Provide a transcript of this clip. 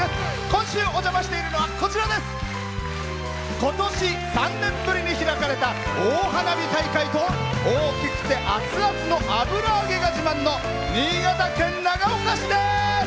今週お邪魔しているのは今年３年ぶりに開かれた大花火大会と大きくてアツアツの油揚げが自慢の新潟県長岡市です。